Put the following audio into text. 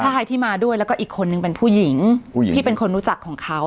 ชายที่มาด้วยแล้วก็อีกคนนึงเป็นผู้หญิงผู้หญิงที่เป็นคนรู้จักของเขา